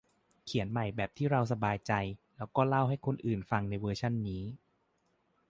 เขียนใหม่แบบที่เราสบายใจ แล้วก็เล่าให้คนอื่นฟังในเวอร์ชันนี้